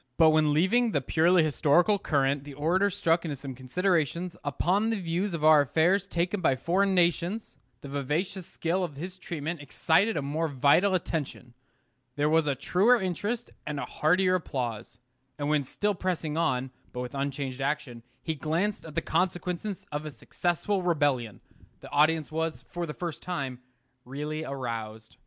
But when leaving the purely historical current the orator struck into some considerations upon the views of our affairs taken by foreign nations, the vivacious skill of his treatment excited a more vital attention. There was a truer interest and a heartier applause. And when still pressing on, but with unchanged action, he glanced at the consequences of a successful rebellion, the audience was, for the first time, really aroused.